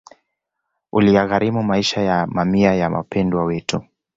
Uliyagharimu maisha ya mamia ya Wapendwa Wetu